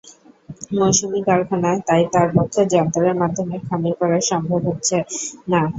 মৌসুমি কারখানা, তাই তার পক্ষে যন্ত্রের মাধ্যমে খামির করা সম্ভব হচ্ছে না।